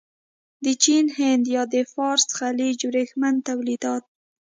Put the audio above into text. د چین، هند یا د فارس خلیج ورېښمین تولیدات.